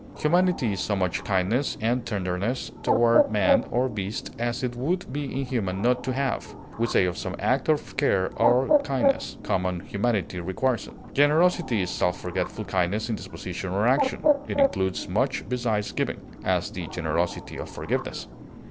Humanity is so much kindness and tenderness toward man or beast as it would be inhuman not to have; we say of some act of care or kindness, "common humanity requires it." Generosity is self forgetful kindness in disposition or action; it includes much besides giving; as, the generosity of forgiveness.